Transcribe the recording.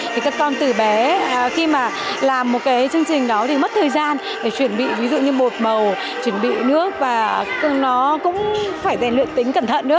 thì các con từ bé khi mà làm một cái chương trình đó thì mất thời gian để chuẩn bị ví dụ như bột màu chuẩn bị nước và nó cũng phải rèn luyện tính cẩn thận nữa